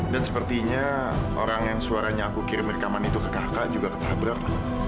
dan sepertinya orang yang suaranya aku kirim rekaman itu ke kakak juga ketabrak